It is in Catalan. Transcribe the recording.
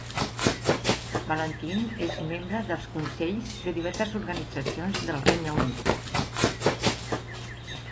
Valentine és membre dels consells de diverses organitzacions del Regne Unit.